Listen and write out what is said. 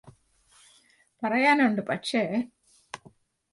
പറയാനുണ്ട് പക്ഷേ